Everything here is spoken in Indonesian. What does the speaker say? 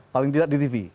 paling tidak di tv